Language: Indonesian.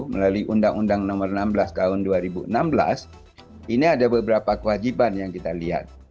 melalui undang undang nomor enam belas tahun dua ribu enam belas ini ada beberapa kewajiban yang kita lihat